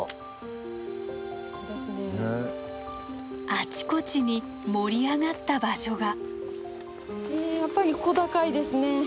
あちこちに盛り上がった場所が。